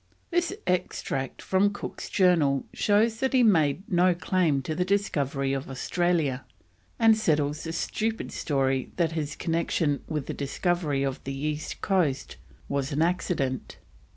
This extract from Cook's Journal shows that he made no claim to the discovery of Australia, and settles the stupid story that his connection with the discovery of the east coast was an accident.